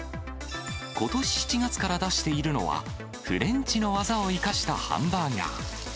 ことし７月から出しているのは、フレンチの技を生かしたハンバーガー。